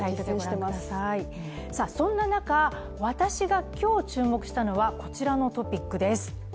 そんな中、私が今日、注目したのはこちらのトピックです。